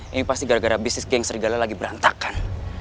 ini pasti gara gara bisnis geng serigala lagi berantakan